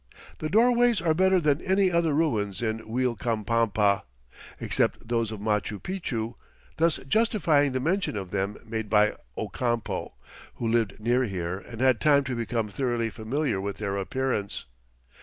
The doorways are better than any other ruins in Uilcapampa except those of Machu Picchu, thus justifying the mention of them made by Ocampo, who lived near here and had time to become thoroughly familiar with their appearance.